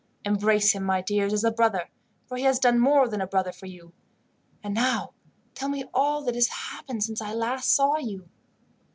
"Embrace him, my dears, as a brother, for he has done more than a brother for you. And now tell me all that has happened since I last saw you."